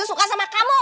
suka dengan kamu